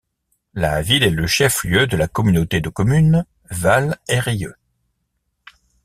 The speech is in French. La ville est le chef-lieu de la communauté de communes Val'Eyrieux.